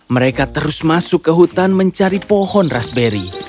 mereka terus masuk ke hutan mencari pohon raspberry